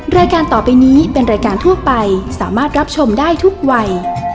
รายการต่อไปนี้เป็นรายการทั่วไปสามารถรับชมได้ทุกวัย